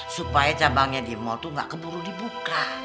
supaya cabangnya di mall itu gak keburu dibuka